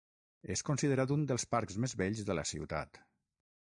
És considerat un dels parcs més bells de la ciutat.